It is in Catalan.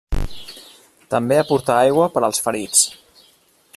També aportà aigua per als ferits.